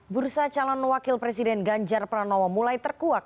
bursa calon wakil presiden ganjar pranowo mulai terkuak